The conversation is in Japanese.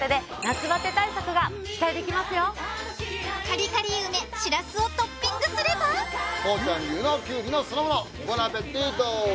カリカリ梅しらすをトッピングすればボナペティート。